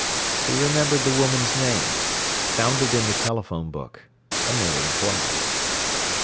He remembered the woman's name; found it in the telephone book, and made an appointment.